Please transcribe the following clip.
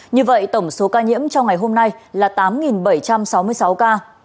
như vậy tổng số ca nhiễm trong ngày hôm nay là tám bảy trăm sáu mươi sáu ca